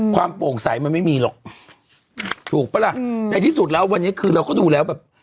โปร่งใสมันไม่มีหรอกถูกปะล่ะในที่สุดแล้ววันนี้คือเราก็ดูแล้วแบบ